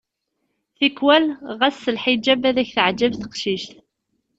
Tikwal ɣas s lḥiǧab ad k-teɛǧeb teqcict.